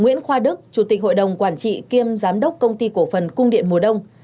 nguyễn khoa đức chủ tịch hội đồng quản trị kiêm giám đốc công ty cổ phần cung điện mùa đông